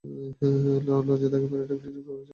লজে তাকে প্যারা-ডিউটিতে নিযুক্ত করা হয়েছিল।